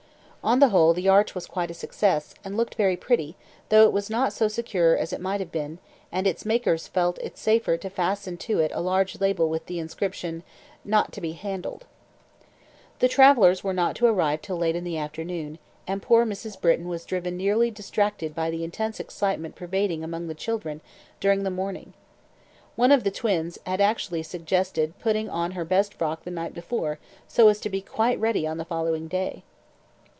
On the whole, the arch was quite a success, and looked very pretty, though it was not so secure as it might have been, and its makers felt it safer to fasten to it a large label with the inscription, "Not to be handled." The travellers were not to arrive till late in the afternoon, and poor Mrs. Britton was driven nearly distracted by the intense excitement pervading among the children during the morning. One of the twins had actually suggested putting on her best frock the night before so as to be quite ready on the following day.